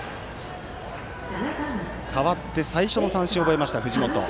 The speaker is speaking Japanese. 代わって最初の三振を奪った藤本。